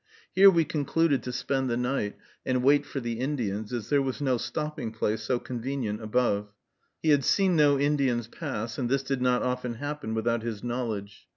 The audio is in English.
Here we concluded to spend the night, and wait for the Indians, as there was no stopping place so convenient above. He had seen no Indians pass, and this did not often happen without his knowledge.